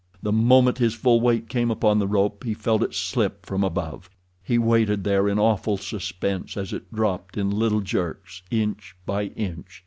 The moment his full weight came upon the rope he felt it slip from above. He waited there in awful suspense as it dropped in little jerks, inch by inch.